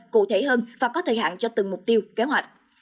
cụ thể hơn và có thời hạn cho từng mục tiêu kế hoạch